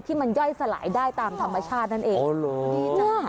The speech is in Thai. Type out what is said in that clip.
ที่มันย่อยสลายได้ตามธรรมชาตินั่นเอง